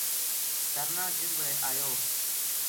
ترنا جس بِڑے ایو